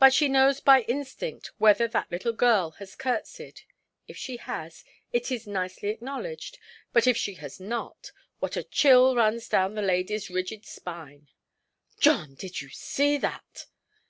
but she knows by instinct whether that little girl has curtseyed. If she has, it is nicely acknowledged; but if she has not, what a chill runs down the ladyʼs rigid spine! "John, did you see that"?